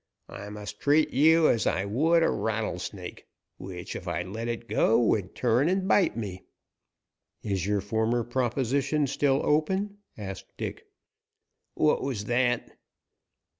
I must treat you as I would a rattlesnake, which, if I let it go, would turn and bite me." "Is your former proposition still open?" asked Dick. "What was that?"